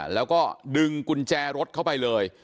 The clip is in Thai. แล้วก็ดึงกุญแจรถเข้าไปเลย